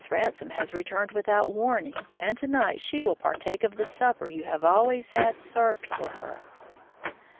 Ransome has returned without warning, and tonight she will partake of the supper you have always had served for her."